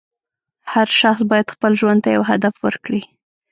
هر شخص باید خپل ژوند ته یو هدف ورکړي.